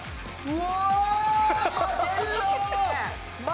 うわ！